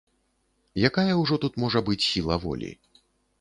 Якая ўжо тут можа быць сіла волі.